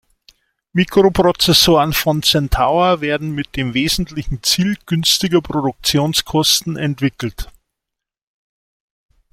Mikroprozessoren von Centaur werden mit dem wesentlichen Ziel günstiger Produktionskosten entwickelt.